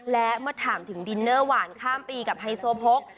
และเมื่อถามถึงดินเนอร์หวานข้ามปีกับไฮโซโพก